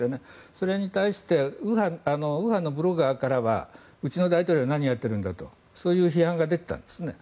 それに対して右派のブロガーからはうちの大統領は何をやってるんだとそういう批判が出てたんですね。